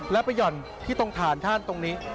แล้วไปหย่อนที่ตรงฐานท่านตรงนี้